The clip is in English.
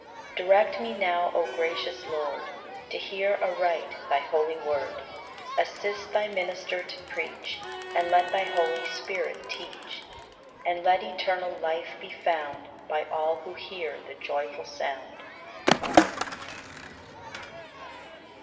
85. Direct me now, O gracious Lord, To hear aright Thy holy Word; Assist Thy minister to preach, And let Thy Holy Spirit teach, And let eternal life be found By all who hear the joyful sound. Amen.